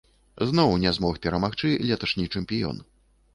Зноў не змог перамагчы леташні чэмпіён.